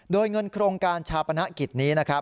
โดยเงินโครงการชาวประณะกิจนี้